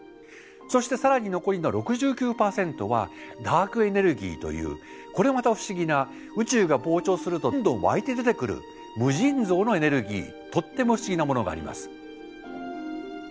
そして更に残りの６９％はダークエネルギーというこれまた不思議な宇宙が膨張するとどんどんわいて出てくる無尽蔵のエネルギーとっても不思議なものがあります。